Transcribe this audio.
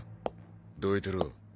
どいてろ